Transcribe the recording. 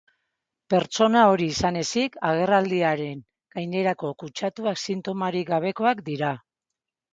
Pertsona hori izan ezik, agerraldiaren gainerako kutsatuak sintomarik gabekoak dira.